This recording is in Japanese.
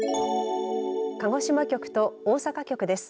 鹿児島局と大阪局です。